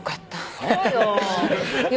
そうよ。